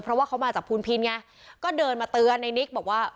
เพราะว่าเขามาจากพูนพินไงก็เดินมาเตือนในนิกบอกว่า